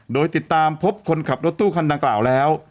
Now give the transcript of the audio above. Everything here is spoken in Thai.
โดยติดตามพบคนขับรถตู้คันดังกล่าวแล้ว